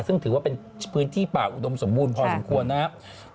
ซึ่งถือว่าเป็นพื้นที่ป่าอุดมสมบูรณ์พอสมควรนะครับ